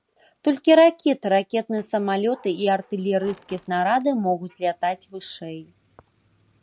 Толькі ракеты, ракетныя самалёты і артылерыйскія снарады могуць лятаць вышэй.